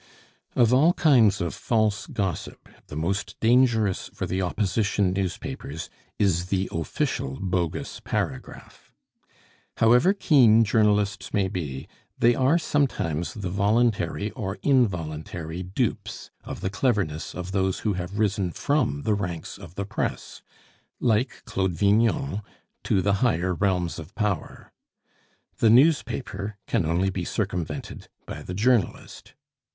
Of all kinds of false gossip, the most dangerous for the Opposition newspapers is the official bogus paragraph. However keen journalists may be, they are sometimes the voluntary or involuntary dupes of the cleverness of those who have risen from the ranks of the Press, like Claude Vignon, to the higher realms of power. The newspaper can only be circumvented by the journalist.